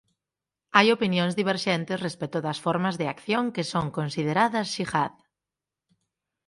Hai opinións diverxentes respecto das formas de acción que son consideradas "Xihad".